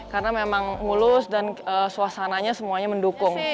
karena memang mulus dan suasananya semuanya mendukung